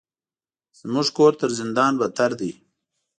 زموږ کور تر زندان بدتر ده.